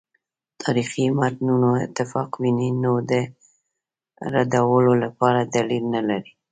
تاریخي متونو اتفاق ویني نو د ردولو لپاره دلیل نه لري.